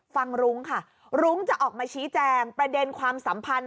รุ้งค่ะรุ้งจะออกมาชี้แจงประเด็นความสัมพันธ์